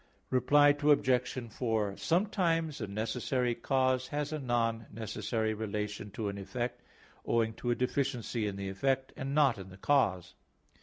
Reply Obj. 4: Sometimes a necessary cause has a non necessary relation to an effect; owing to a deficiency in the effect, and not in the cause.